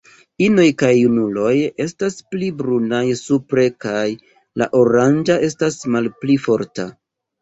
Inoj kaj junuloj estas pli brunaj supre kaj la oranĝa estas malpli forta.